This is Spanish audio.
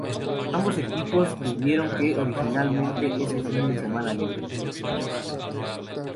Ambos equipos tuvieron que originalmente ese fin de semana libre.